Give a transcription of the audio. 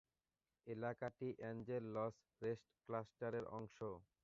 এলাকাটি Angels rest ক্লাস্টারের অংশ।